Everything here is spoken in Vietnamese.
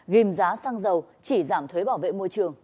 ghim giá xăng dầu chỉ giảm thuế bảo vệ môi trường